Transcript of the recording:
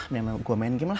memang gue main game lah